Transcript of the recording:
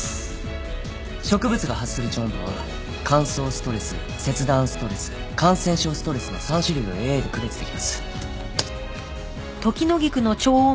植物が発する超音波は乾燥ストレス切断ストレス感染症ストレスの３種類をＡＩで区別できます。